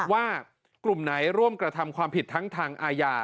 ว่ากลุ่มไหนร่วมกระทำความผิดทั้งทางอาญา